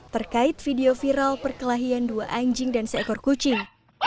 terkait video viral perkelahian dua anjing dan seekor kucing